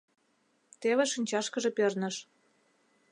Теве шинчашкыже перныш.